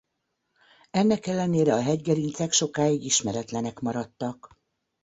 Ennek ellenére a hegygerincek sokáig ismeretlenek maradtak.